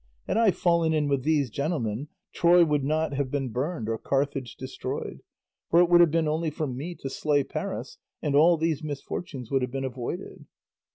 Had I fallen in with those gentlemen, Troy would not have been burned or Carthage destroyed, for it would have been only for me to slay Paris, and all these misfortunes would have been avoided."